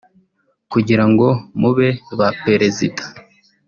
kugira ngo mube ba perezida